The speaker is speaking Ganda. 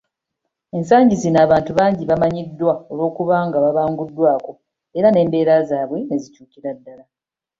Ensangi zino, abantu bangi bamanyiddwa olw'okuba nga babanguddwako era n'embeera zaabwe ne zikyukira ddala